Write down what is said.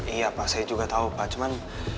iya pak saya juga tahu pak cuman